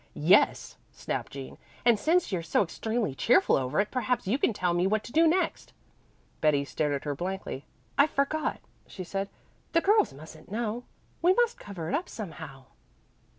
"Yes," snapped Jean, "and since you're so extremely cheerful over it, perhaps you can tell me what to do next." Betty stared at her blankly. "I forgot," she said. "The girls mustn't know. We must cover it up somehow."